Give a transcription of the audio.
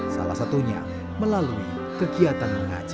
salah satunya melalui kegiatan mengaji